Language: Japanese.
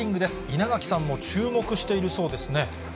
稲垣さんも注目しているそうですね。